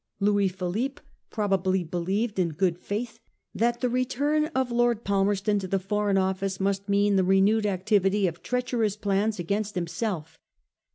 Louis Philippe probably believed in good faith that the return of Lord Palmerston to the Foreign Office must mean the renewed activity of treacherous plans against himself.